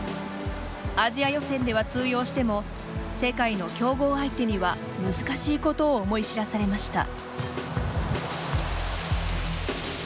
アジア予選では通用しても世界の強豪相手には難しいことを思い知らされました。